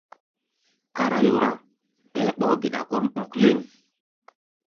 Kárá yorá, ɓɛɛ ɓɔ́ɔ́-geda kɔ́ʼm ɔ̧́k léŋ.